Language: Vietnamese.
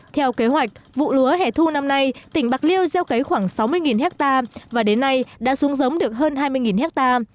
theo kế hoạch vụ lúa hẻ thu năm nay tỉnh bạc liêu giao cấy khoảng sáu mươi hecta và đến nay đã xuống giống được hơn hai mươi hecta